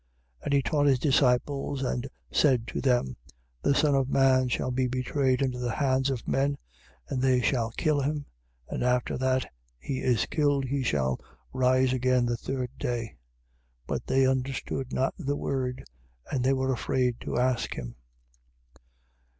9:30. And he taught his disciples and said to them: The Son of man shall be betrayed into the hands of men, and they shall kill him; and after that he is killed, he shall rise again the third day. 9:31. But they understood not the word: and they were afraid to ask him.